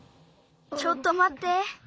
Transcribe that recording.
ちょっとまって。